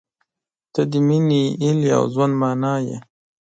• ته د مینې، هیلې، او ژوند معنی یې.